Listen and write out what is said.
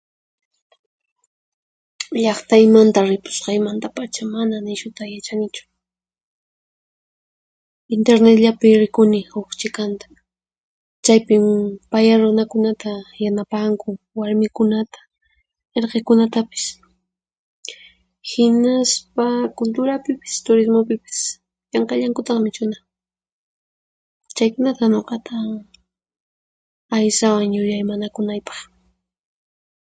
Llaqtaymanta ripusqaymantapacha mana nishuta yachanichu, intirnitllapi rikuni huq chikanta. Chaypin paya runakunata yanapanku, warmikunata, irqikunatapis. Hinaspa kulturapipis turismupipis llank'allankutaqmichuna. Chaykunata nuqata aysawan yuyaymanakunaypaq.